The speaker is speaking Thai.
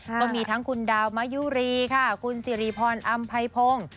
ก็มีทั้งคุณดาวมะยุรีค่ะคุณสิริพรอำไพพงศ์